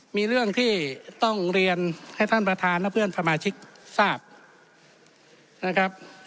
มีเรื่องที่ต้องเรียนให้ท่านประธานและเพื่อนสมาชิกทราบนะครับ